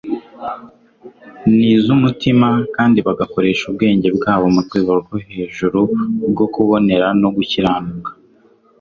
n'iz'umutima kandi bagakoresha ubwenge bwabo mu rwego rwo hejuru rwo kubonera no gukiranuka.